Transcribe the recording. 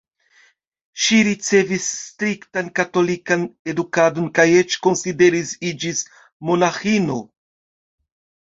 Ŝi ricevis striktan katolikan edukadon kaj eĉ konsideris iĝis monaĥino.